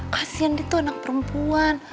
kasian dia tuh anak perempuan